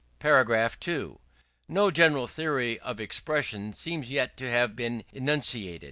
§ 2. No general theory of expression seems yet to have been enunciated.